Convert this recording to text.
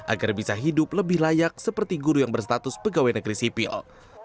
agar bisa hidup lebih layak seperti guru yang berstatus pegawai negeri sipil